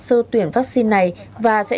sơ tuyển vaccine này và sẽ